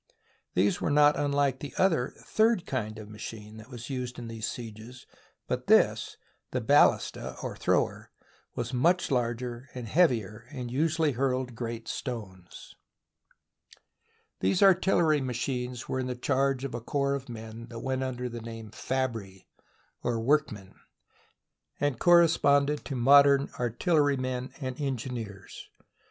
These were not unlike the other third kind of machine that was used in sieges, but this — the ballista, or THE BOOK OF FAMOUS SIEGES thrower — was much larger and heavier and usually hurled great stones. These artillery machines were in charge of a corps of men that went under the name " fabri," or workmen, and corresponded to modern artillery men and engineers.